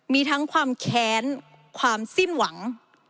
มีทั้งความแค้นความสิ้นหวัง